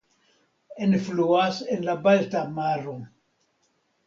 Enfluas en la Balta Maro.